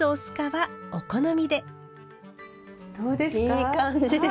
いい感じです！